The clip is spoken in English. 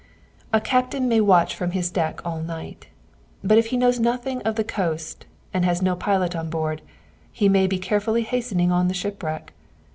A captain may watch from his deck all night ; but if he knows nothing of the coast, and has no pilot on board, he may be carefully hastening on to shipwreck.